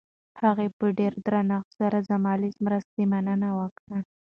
هغې په ډېر درنښت سره زما له مرستې مننه وکړه.